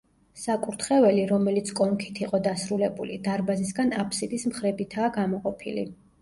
საკურთხეველი, რომელიც კონქით იყო დასრულებული, დარბაზისგან აფსიდის მხრებითაა გამოყოფილი.